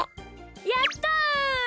やった！